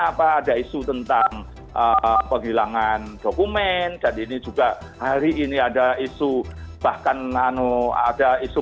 apa ada isu tentang penghilangan dokumen dan ini juga hari ini ada isu bahkan anu ada isu